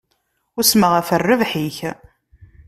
Usmeɣ ɣef rrbeḥ-ik.